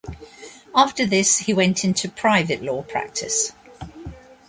After this, he went into private law practice.